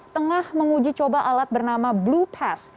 tengah menguji coba alat bernama blue pass